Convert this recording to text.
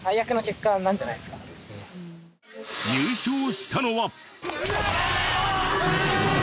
優勝したのは。